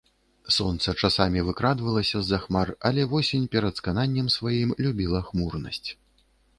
Сонца часамі выкрадвалася з-за хмар, але восень, перад скананнем сваім, любіла хмурнасць.